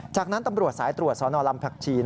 จากนั้นตำรวจสายตรวจสนลำผักชี